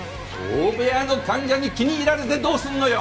大部屋の患者に気に入られてどうすんのよ！